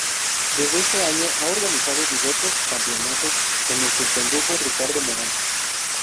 Desde ese año ha organizado diversos campeonatos en el que condujo Ricardo Morán.